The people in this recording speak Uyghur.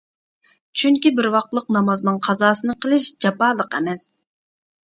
چۈنكى بىر ۋاقلىق نامازنىڭ قازاسىنى قىلىش جاپالىق ئەمەس.